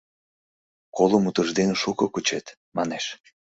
— Колым утыждене шуко кучет, — манеш.